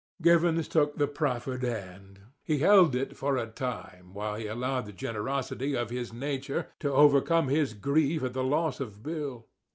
Givens took the proffered hand. He held it for a time while he allowed the generosity of his nature to overcome his grief at the loss of Bill.